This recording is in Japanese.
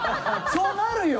そうなるよ。